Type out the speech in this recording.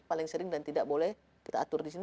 paling sering dan tidak boleh kita atur di sini